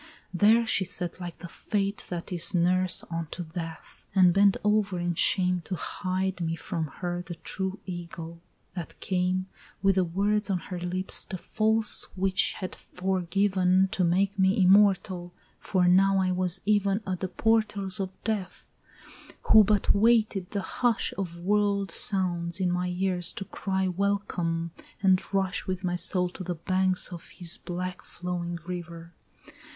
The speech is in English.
There she sat like the Fate That is nurse unto Death, and bent over in shame To hide me from her the true Ægle that came With the words on her lips the false witch had fore given To make me immortal for now I was even At the portals of Death, who but waited the hush Of world sounds in my ears to cry welcome, and rush With my soul to the banks of his black flowing river.